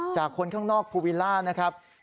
คนข้างนอกภูวิลล่านะครับ